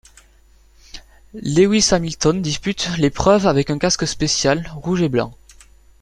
Lewis Hamilton dispute l'épreuve avec un casque spécial, rouge et blanc.